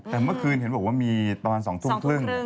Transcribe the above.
แต่เมื่อคืนเห็นบอกว่ามีประมาณ๒ทุ่มครึ่ง